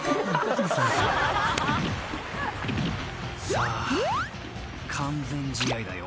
［さあ完全試合だよ］